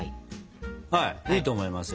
はいいいと思いますよ。